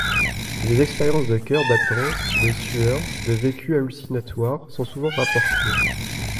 Des expériences de cœurs battants, de sueurs, de vécus hallucinatoires, sont souvent rapportées.